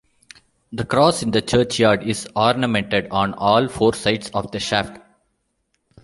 The cross in the churchyard is ornamented on all four sides of the shaft.